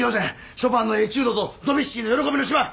ショパンの『エチュード』とドビュッシーの『喜びの島』！